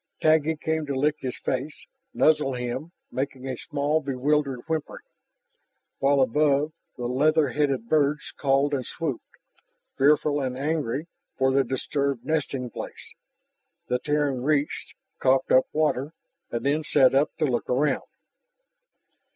Taggi came to lick his face, nuzzle him, making a small, bewildered whimpering. While above, the leather headed birds called and swooped, fearful and angry for their disturbed nesting place. The Terran retched, coughed up water, and then sat up to look around.